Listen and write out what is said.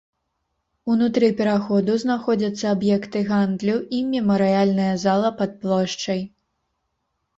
Унутры пераходу знаходзяцца аб'екты гандлю і мемарыяльная зала пад плошчай.